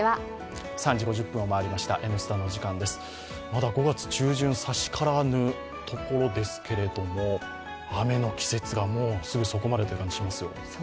まだ５月中旬差しからぬところですけれども、雨の季節がもうすぐそこまでという感じがしますよ。